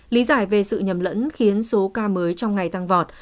lý giải về sự nhầm lẫn khiến số ca mới trong ngày tăng vọt